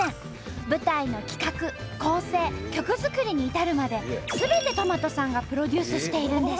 舞台の企画・構成・曲作りに至るまですべてとまとさんがプロデュースしているんです。